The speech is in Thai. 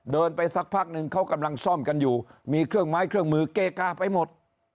เดินไปสักพักนึงเขากำลังซ่อมกันอยู่มีเครื่องไม้เครื่องมือเกกาไปหมด